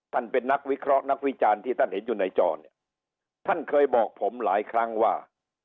เป็นนักวิเคราะห์นักวิจารณ์ที่ท่านเห็นอยู่ในจอเนี่ยท่านเคยบอกผมหลายครั้งว่า